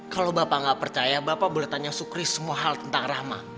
kalau bapak nggak percaya bapak boleh tanya syukris semua hal tentang rahma